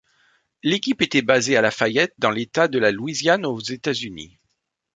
L'équipe était basée à Lafayette dans l'État de la Louisiane aux États-Unis.